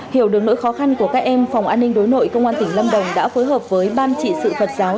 hiểu được nỗi khó khăn của các em phòng an ninh đối nội công an tỉnh lâm đồng đã phối hợp với ban trị sự phật giáo